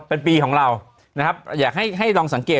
เป็นปีของเรานะครับอยากให้ลองสังเกต